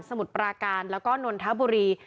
มุดปราการแล้วก็นนทบุรี